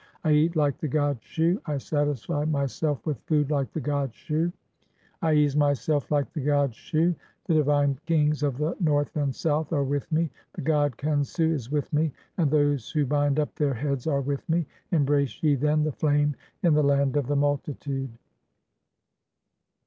I eat like the god Shu, I satisfy myself "with food like the god Shu, (19) I ease myself like the god "Shu. The divine kings of the North and South are with me, "the god Khensu is with me, and those who bind up their heads "are with me ; embrace ye, then, (20) the flame in the land of "the multitude."